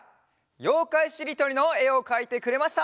「ようかいしりとり」のえをかいてくれました。